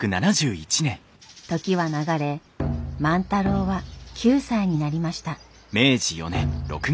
時は流れ万太郎は９歳になりました。